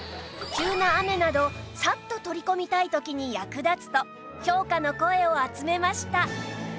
急な雨などサッと取り込みたい時に役立つと評価の声を集めました